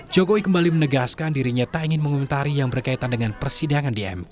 jokowi kembali menegaskan dirinya tak ingin mengomentari yang berkaitan dengan persidangan di ma